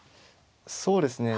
そうですね。